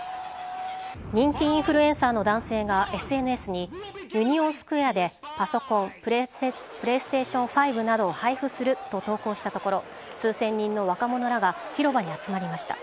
人気インフルエンサーの男性がＳＮＳにユニオンスクエアで、パソコンＰｌａｙＳｔａｔｉｏｎ５などを配布すると投稿したところ数千人の若者らが広場に集まりました。